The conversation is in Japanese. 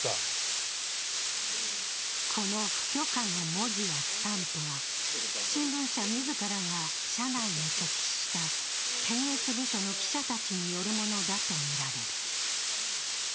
この「不許可」の文字やスタンプは新聞社自らが社内に設置した検閲部署の記者たちによるものだとみられる。